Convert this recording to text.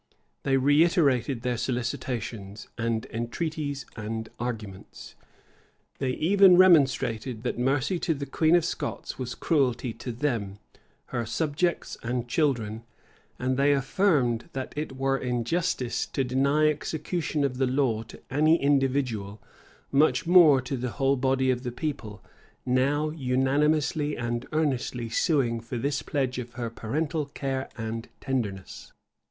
They reiterated their solicitations, and entreaties, and arguments: they even remonstrated, that mercy to the queen of Scots was cruelty to them, her subjects and children: and they affirmed, that it were injustice to deny execution of the law to any individual; much more to the whole body of the people, now unanimously and earnestly suing for this pledge of her parental care and tenderness.